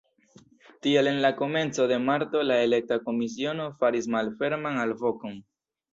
Tial en la komenco de marto la elekta komisiono faris malferman alvokon.